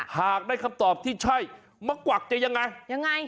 หากได้คำตอบที่ใช้มกวักจะยังไง